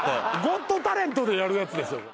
『ゴット・タレント』でやるやつですよ。